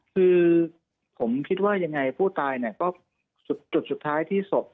คือผมคิดว่ายังไงผู้ตายเนี่ยก็จุดสุดท้ายที่ศพ